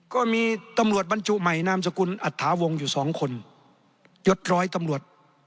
ก็มีตำรวจบรรจุใหม่นามสกุลอัตถาวงอยู่สองคนยดร้อยตำรวจ